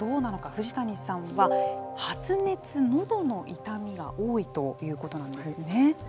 藤谷さんは発熱、のどの痛みが多いということなんですね。